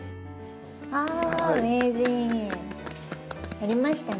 やりましたね。